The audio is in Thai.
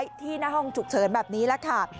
อยู่ที่หน้าห้องฉุกเชิญแบบนี้แล้วค่ะ